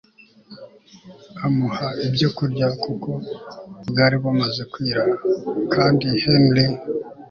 amuha ibyo kurya Kuko bwari bumaze kwira kandi Henry